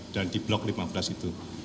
dan di blok lima belas itu